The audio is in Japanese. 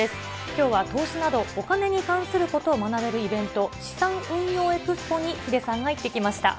きょうは投資など、お金に関することを学べるイベント、資産運用エクスポにヒデさんが行ってきました。